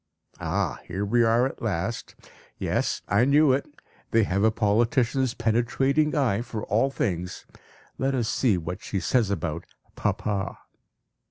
(Ah! Here we are at last! Yes, I knew it; they have a politician's penetrating eye for all things. Let us see what she says about "Papa.")